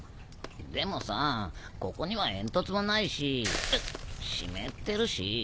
でもさここには煙突もないしうっ湿ってるし。